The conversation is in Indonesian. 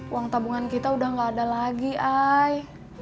uang tabungan kita udah gak ada lagi ay